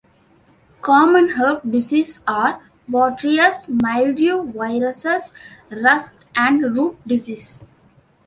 Common herb diseases are: botrytis, mildew, viruses, rusts, and root disease.